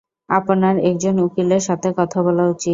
আপনার একজন উকিলের সাথে কথা বলা উচিত।